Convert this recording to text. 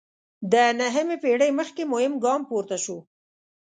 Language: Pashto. د نهمې پېړۍ مخکې مهم ګام پورته شو.